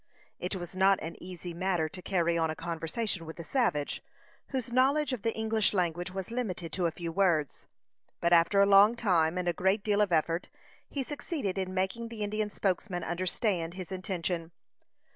It was not an easy matter to carry on a conversation with the savage, whose knowledge of the English language was limited to a few words; but after a long time, and a great deal of effort, he succeeded in making the Indian spokesman understand his intention.